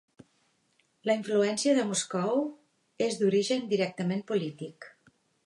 La influència de Moscou és d'origen directament polític.